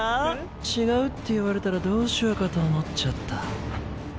違うって言われたらどうしようかと思っちゃった。